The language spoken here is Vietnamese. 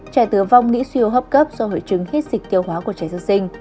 trẻ tử vong nghĩ siêu hấp cấp do hội chứng hít dịch tiêu hóa của trẻ sơ sinh